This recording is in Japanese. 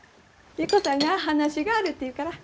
優子さんが話があるって言うから。